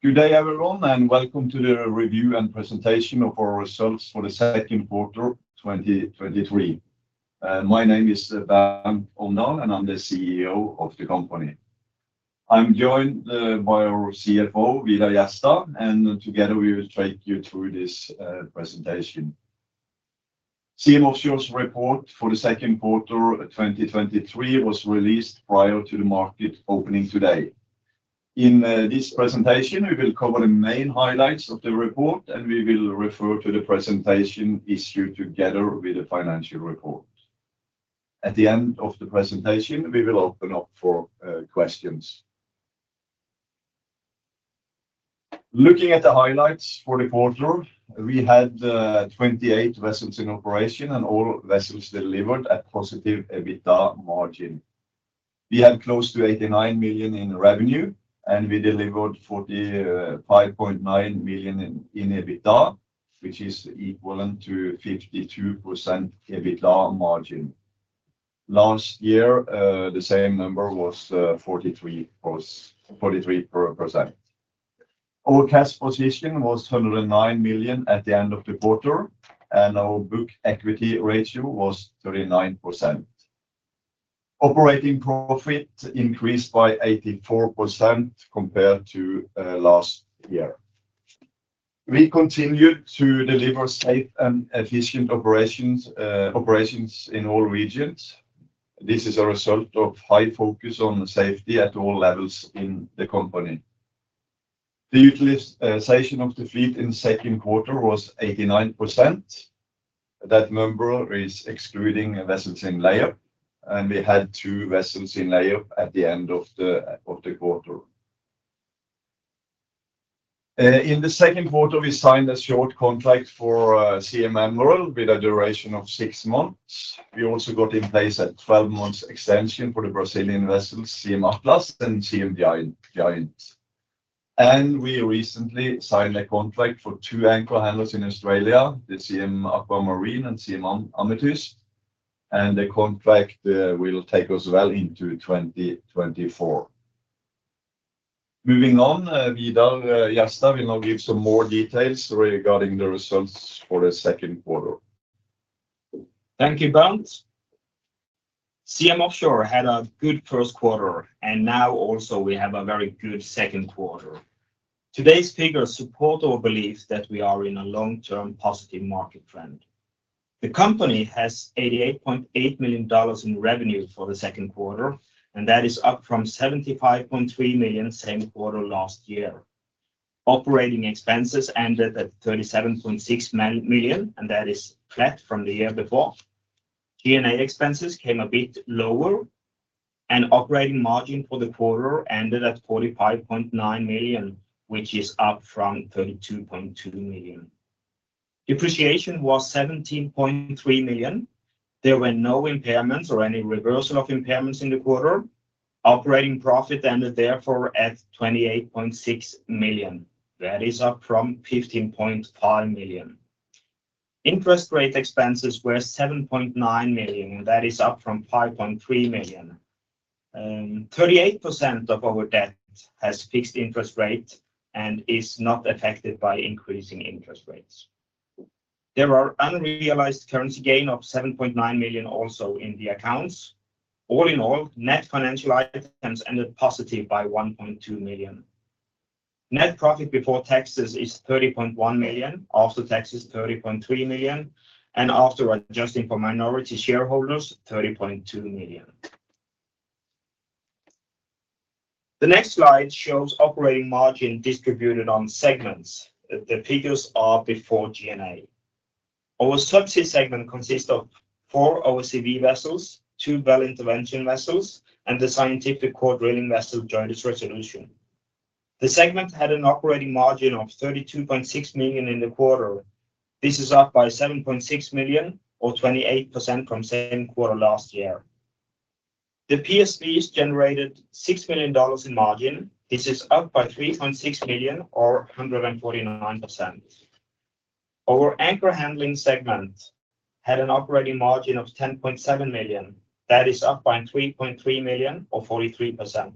Good day, everyone, and welcome to the review and presentation of our results for the second quarter of 2023. My name is Bernt Omdal, and I'm the CEO of the company. I'm joined by our CFO, Vidar Jerstad, and together we will take you through this Seim Offshore's report for the second quarter of 2023 was released prior to the market opening today. In this presentation, we will cover the main highlights of the report, and we will refer to the presentation issued together with the financial report. At the end of the presentation, we will open up for questions. Looking at the highlights for the quarter, we had 28 vessels in operation and all vessels delivered at positive EBITDA margin. We had close to $89 million in revenue, and we delivered $45.9 million in EBITDA, which is equivalent to 52% EBITDA margin. Last year, the same number was forty-three percent. Our cash position was $109 million at the end of the quarter, and our book equity ratio was 39%. Operating profit increased by 84% compared to last year. We continued to deliver safe and efficient operations in all regions. This is a result of high focus on safety at all levels in the company. The utilization of the fleet in the second quarter was 89%. That number is excluding vessels in layup, and we had 2 vessels in layup at the end of the quarter. In the second quarter, we signed a short contract for Siem Emerald with a duration of six months. We also got in place a 12-month extension for the Brazilian vessels, Siem Atlas and Siem Giant. We recently signed a contract for two anchor handlers in Australia, the Siem Aquamarine and Siem Amethyst, and the contract will take us well into 2024. Moving on, Vidar Jerstad will now give some more details regarding the results for the second quarter. Thank you, Seim Offshore had a good first quarter, and now also we have a very good second quarter. Today's figures support our belief that we are in a long-term positive market trend. The company has $88.8 million in revenue for the second quarter, and that is up from $75.3 million same quarter last year. Operating expenses ended at $37.6 million, and that is flat from the year before. G&A expenses came a bit lower, and operating margin for the quarter ended at $45.9 million, which is up from $32.2 million. Depreciation was $17.3 million. There were no impairments or any reversal of impairments in the quarter. Operating profit ended therefore at $28.6 million. That is up from $15.5 million. Interest rate expenses were $7.9 million, and that is up from $5.3 million. 38% of our debt has fixed interest rate and is not affected by increasing interest rates. There are unrealized currency gain of $7.9 million also in the accounts. All in all, net financial items ended positive by $1.2 million. Net profit before taxes is $30.1 million. After taxes, $30.3 million, and after adjusting for minority shareholders, $30.2 million. The next slide shows operating margin distributed on segments. The figures are before G&A. Our subsea segment consists of four OCV vessels, two well intervention vessels, and the scientific core drilling vessel, JOIDES Resolution. The segment had an operating margin of $32.6 million in the quarter. This is up by $7.6 million, or 28%, from same quarter last year. The PSVs generated $6 million in margin. This is up by $3.6 million, or 149%. Our anchor handling segment had an operating margin of $10.7 million. That is up by $3.3 million, or 43%.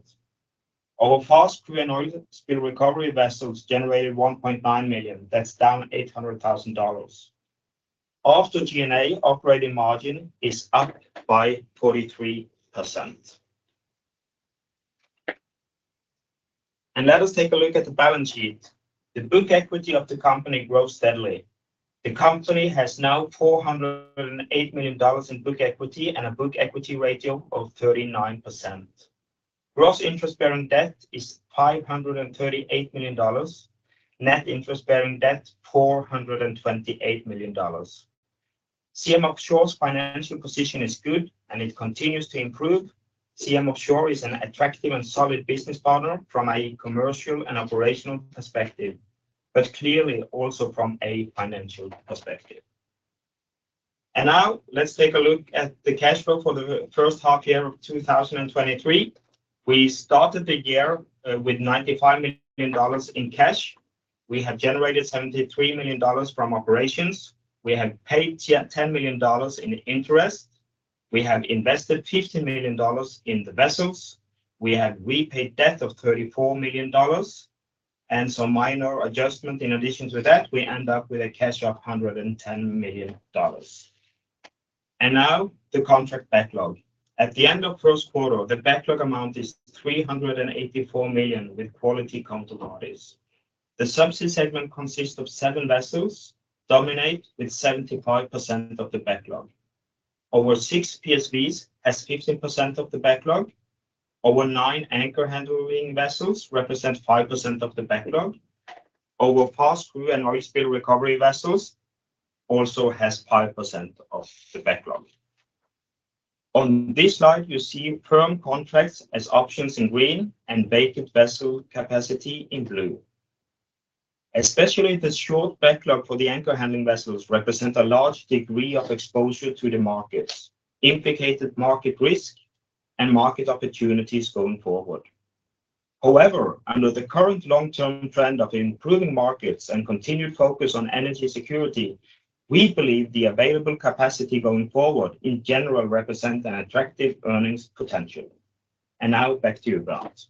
Our fast crew oil spill recovery vessels generated $1.9 million. That's down $800,000. After G&A, operating margin is up by 43%. Let us take a look at the balance sheet. The book equity of the company grows steadily. The company has now $408 million in book equity and a book equity ratio of 39%. Gross interest-bearing debt is $538 million. Net interest-bearing debt, $428 million. Seim Offshore's financial position is good, and it continues to Seim Offshore is an attractive and solid business partner from a commercial and operational perspective, but clearly also from a financial perspective. Now let's take a look at the cash flow for the first half year of 2023. We started the year with $95 million in cash. We have generated $73 million from operations. We have paid $10 million in interest. We have invested $50 million in the vessels. We have repaid debt of $34 million and some minor adjustment. In addition to that, we end up with a cash of $110 million. Now the contract backlog. At the end of first quarter, the backlog amount is $384 million, with quality counterparties. The subsea segment consists of 7 vessels, dominate with 75% of the backlog. Our 6 PSVs has 15% of the backlog. Our 9 anchor handling vessels represent 5% of the backlog. Our fast crew and oil spill recovery vessels also has 5% of the backlog. On this slide, you see firm contracts as options in green and vacant vessel capacity in blue. Especially the short backlog for the anchor handling vessels represent a large degree of exposure to the markets, implicated market risk and market opportunities going forward. However, under the current long-term trend of improving markets and continued focus on energy security, we believe the available capacity going forward in general represent an attractive earnings potential. And now back to you, Bernt.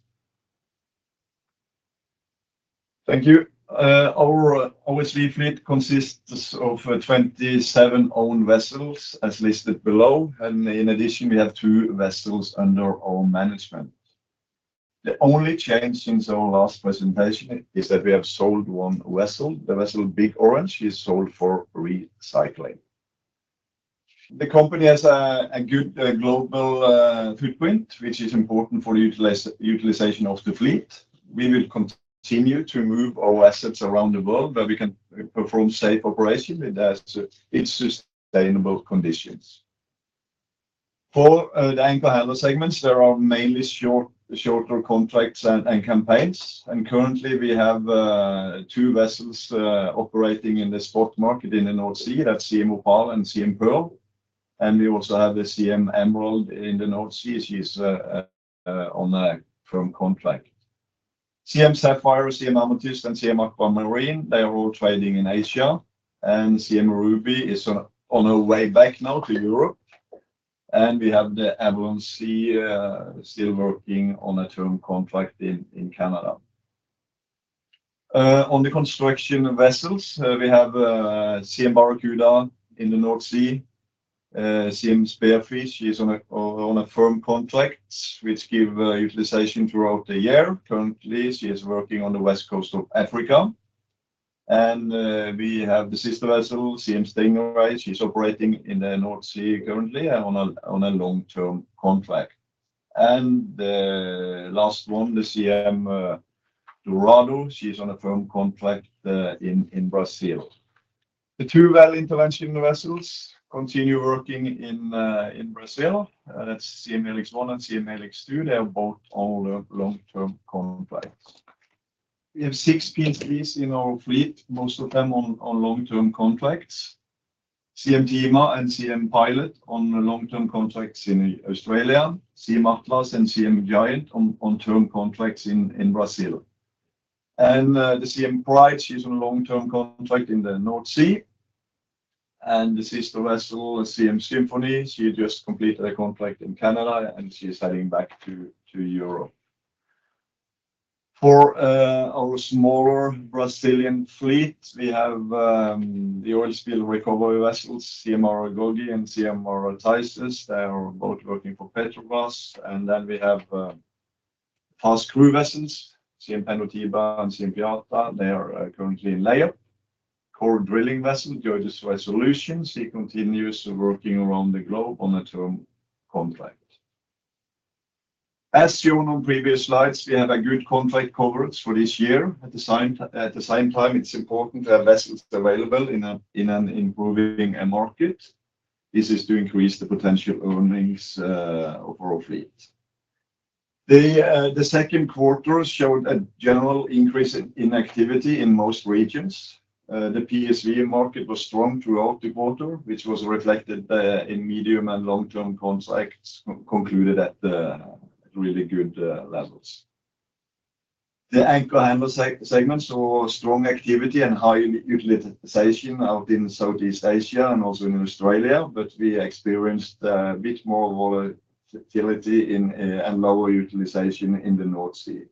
Thank you. Our fleet consists of 27 owned vessels, as listed below, and in addition, we have 2 vessels under own management. The only change since our last presentation is that we have sold 1 vessel. The vessel Big Orange is sold for recycling. The company has a good global footprint, which is important for utilization of the fleet. We will continue to move our assets around the world, where we can perform safe operation, and in sustainable conditions. For the anchor handler segments, there are mainly short contracts and campaigns, and currently, we have 2 vessels operating in the spot market in the North Sea, that's Siem Opal and Siem Pearl, and we also have the Siem Emerald in the North Sea. She's on a firm contract. Siem Sapphire, Siem Amethyst, and Siem Aquamarine, they are all trading in Asia, and Siem Ruby is on her way back now to Europe. And we have the Avalon Sea still working on a term contract in Canada. On the construction vessels, we have Siem Barracuda in the North Sea, Siem Spearfish, she's on a firm contract, which give utilization throughout the year. Currently, she is working on the west coast of Africa. And we have the sister vessel, Siem Stingray, she's operating in the North Sea currently on a long-term contract. And the last one, the Siem Dorado, she's on a firm contract in Brazil. The two well intervention vessels continue working in Brazil, that's Siem Helix 1 and Siem Helix 2. They are both on long-term contracts. We have six PSVs in our fleet, most of them on long-term contracts. Siem Thiima and Siem Pilot on long-term contracts in Australia, Siem Atlas and Siem Giant on term contracts in Brazil. The Siem Pride, she's on a long-term contract in the North Sea, and the sister vessel, Siem Symphony, she just completed a contract in Canada, and she's heading back to Europe. For our smaller Brazilian fleet, we have the oil spill recovery vessels, Siem Maragata and Siem Maragogi. They are both working for Petrobras. We have fast crew vessels, Siem Pantanal and Siem Piata. They are currently in layup. Core drilling vessel, JOIDES Resolution, she continues working around the globe on a term contract. As shown on previous slides, we have a good contract coverage for this year. At the same time, it's important to have vessels available in an improving market. This is to increase the potential earnings of our fleet. The second quarter showed a general increase in activity in most regions. The PSV market was strong throughout the quarter, which was reflected in medium and long-term contracts concluded at the really good levels. The anchor handler segments saw strong activity and high utilization out in Southeast Asia and also in Australia, but we experienced a bit more volatility in and lower utilization in the North Sea.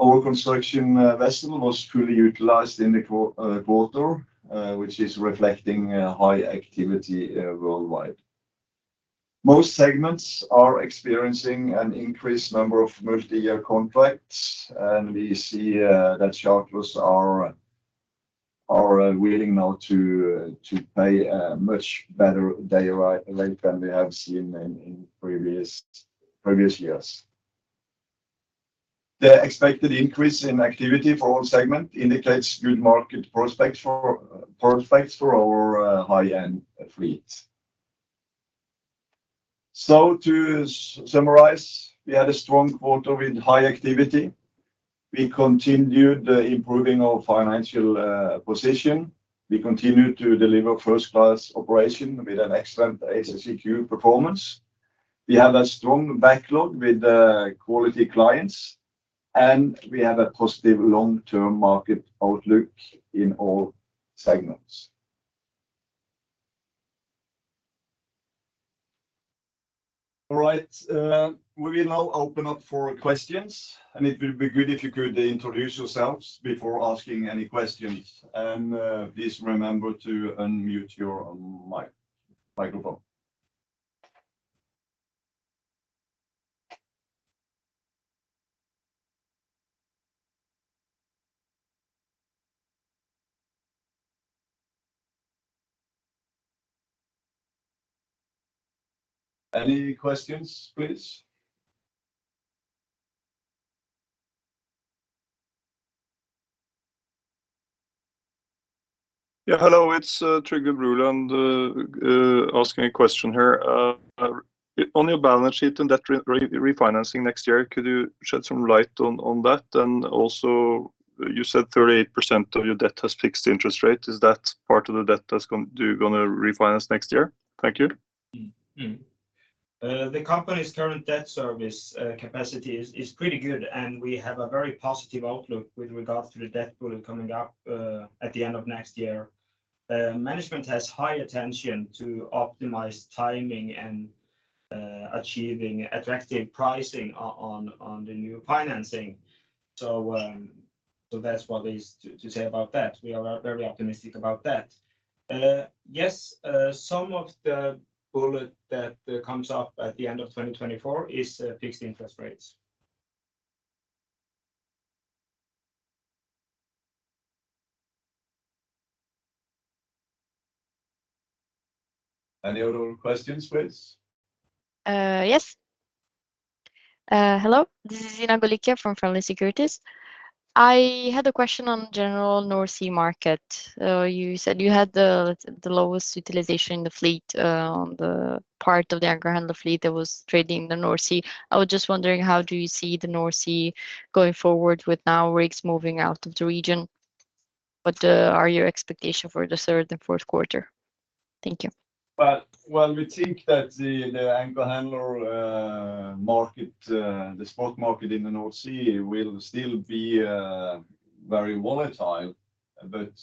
Our construction vessel was truly utilized in the quarter, which is reflecting a high activity worldwide. Most segments are experiencing an increased number of multi-year contracts, and we see that charters are willing now to pay a much better dayrate than we have seen in previous years. The expected increase in activity for all segments indicates good market prospects for our high-end fleet. So to summarize, we had a strong quarter with high activity. We continued improving our financial position. We continued to deliver first-class operation with an excellent HSSEQ performance. We have a strong backlog with quality clients, and we have a positive long-term market outlook in all segments. All right, we will now open up for questions, and it will be good if you could introduce yourselves before asking any questions. And please remember to unmute your microphone. Any questions, please? Yeah, hello, it's Trygve Bøhle, and asking a question here. On your balance sheet and debt refinancing next year, could you shed some light on that? And also, you said 38% of your debt has fixed interest rate. Is that part of the debt that's gonna refinance next year? Thank you. The company's current debt service capacity is pretty good, and we have a very positive outlook with regards to the debt pool coming up at the end of next year. Management has high attention to optimize timing and achieving attractive pricing on the new financing. So that's what is to say about that. We are very optimistic about that. Yes, some of the bullet that comes up at the end of 2024 is fixed interest rates. Any other questions, please? Yes. Hello, this is Ina Golikova from Fearnley Securities. I had a question on general North Sea market. You said you had the lowest utilization in the fleet on the part of the anchor handler fleet that was trading in the North Sea. I was just wondering, how do you see the North Sea going forward with now rigs moving out of the region? What are your expectation for the third and fourth quarter? Thank you. Well, we think that the anchor handler market, the spot market in the North Sea will still be very volatile. But,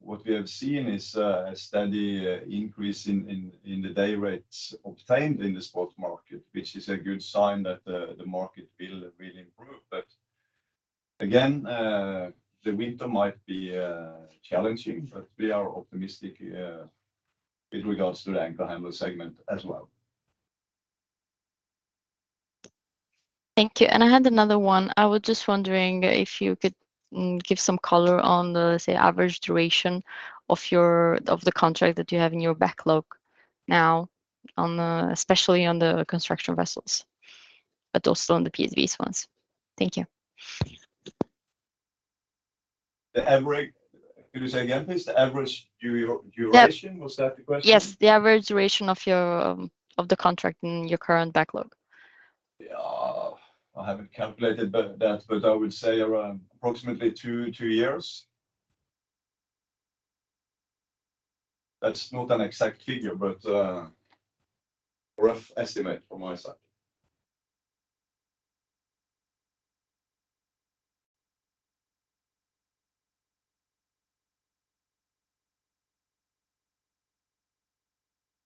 what we have seen is a steady increase in the day rates obtained in the spot market, which is a good sign that the market will improve. But again, the winter might be challenging, but we are optimistic with regards to the anchor handler segment as well. Thank you. And I had another one. I was just wondering if you could, give some color on the say, average duration of your of the contract that you have in your backlog now on the, especially on the construction vessels but also on the PSV ones? Thank you. Could you say again, please, the average duration? Yeah. Was that the question? Yes, the average duration of the contract in your current backlog. Yeah. I haven't calculated but that, but I would say around approximately two years. That's not an exact figure, but a rough estimate from my side.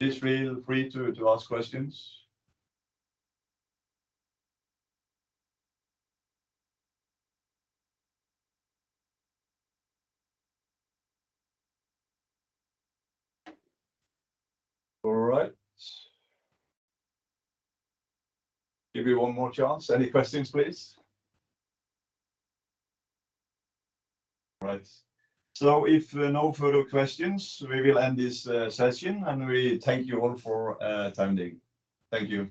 Please feel free to, to ask questions. All right. Give you one more chance. Any questions, please? All right. So if no further questions, we will end this session, and we thank you all for attending. Thank you.